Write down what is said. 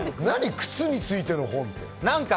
靴についての本って。